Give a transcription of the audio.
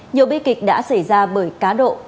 nhiều bi kịch đã xảy ra bởi cá độ